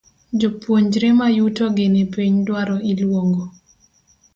Jopuonjre mayuto gi ni piny dwaro iluongo